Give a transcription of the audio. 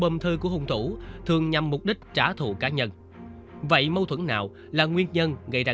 âm thư của hung thủ thường nhằm mục đích trả thù cá nhân vậy mâu thuẫn nào là nguyên nhân gây ra